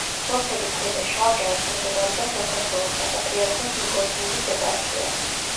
სოფელი ქვედა შავრა ექვემდებარება საქართველოს საპატრიარქოს ნიკორწმინდის ეპარქიას.